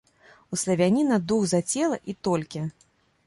У славяніна дух за цела, і толькі.